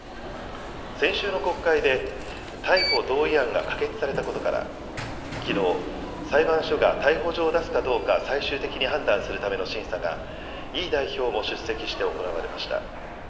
先週の国会で逮捕同意案が可決されたことからきのう裁判所が逮捕状を出すかどうか最終的に判断するための審査がイ代表も出席して行われました。